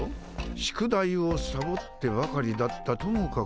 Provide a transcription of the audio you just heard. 宿題をサボってばかりだったとも書かれておる。